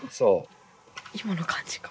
今の感じか。